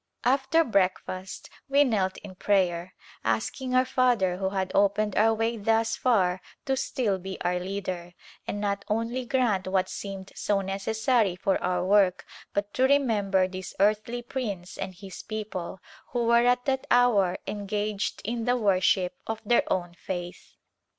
After breakfast we knelt in prayer, asking our Father who had opened our way thus far to still be our Leader, and not only grant what seemed so necessary for our work but to remember this earthly prince and his people who were at that hour engaged in the worship of their own faith.